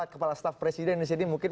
kepala staf presiden di sini mungkin